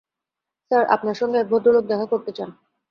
Sir, আপনার সঙ্গে এক ভদ্রলোক দেখা করতে চান।